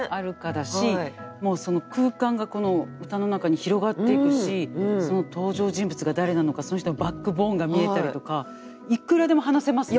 だしもうその空間がこの歌の中に広がっていくしその登場人物が誰なのかその人のバックボーンが見えたりとかいくらでも話せますよ